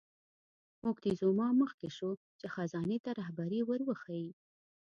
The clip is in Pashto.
موکتیزوما مخکې شو چې خزانې ته رهبري ور وښیي.